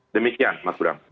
demikian mas guram